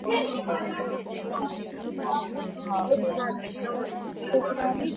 ფიტონციდები მცენარეთა იმუნიტეტის ერთ-ერთი განმაპირობებელი ფაქტორია.